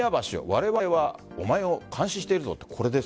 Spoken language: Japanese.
われわれはお前を監視しているぞと。